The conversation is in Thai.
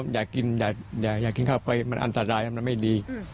อ้านแบบว่าอยากกินคล้าไฟมันอันตรายทำให้ไม่ดี